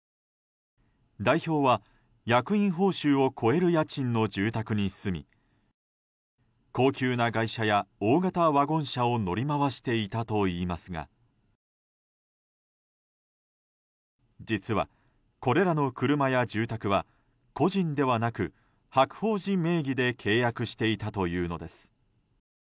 代表は、役員報酬を超える家賃の住宅に住み高級な外車や、大型ワゴン車を乗り回していたといいますが実は、これらの車や住宅は個人ではなく白鳳寺名義で契約していたというのです。